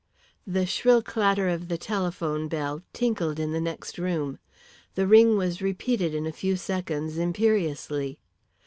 The shrill clatter of the telephone bell tinkled in the next room. The ring was repeated in a few seconds imperiously.